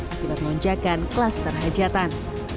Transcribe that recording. akibat lonjakan klaster hajatan